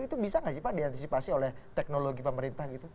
itu bisa nggak sih pak diantisipasi oleh teknologi pemerintah gitu